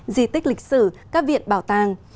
di tích lịch sử các viện bảo tàng